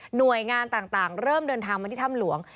หน่วยงานต่างเริ่มเดินทางมาที่ถ้ำหลวง